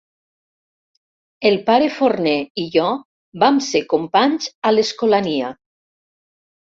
El pare Forner i jo vam ser companys a l'Escolania.